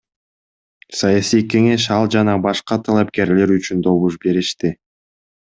Саясий кеңеш ал жана башка талапкерлер үчүн добуш беришти.